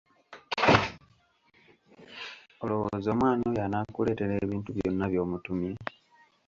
Olowooza omwana oyo anaakuleetera ebintu byonna by'omutumye?